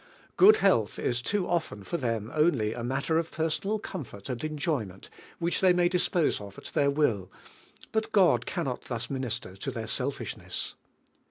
Good health is too often for them only a matter of personal comfort and enjoyment which they may dispose of at their will, bnt God cannot thus min ister to their selfishness.